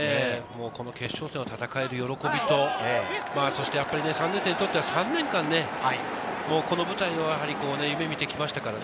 この決勝戦を戦える喜びと、やっぱり３年生にとっては３年間、この舞台を夢見てきましたからね。